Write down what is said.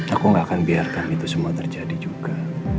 aku gak akan biarkan itu semua terjadi juga